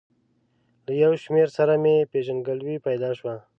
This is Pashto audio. له یو شمېر سره مې پېژندګلوي پیدا شوه.